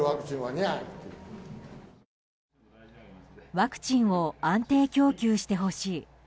ワクチンを安定供給してほしい。